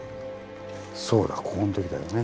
そうだここの時だよね。